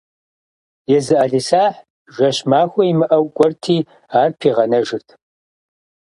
Езы ӏэлисахь, жэщ-махуэ имыӏэу, кӏуэрти ар пигъэнэжырт.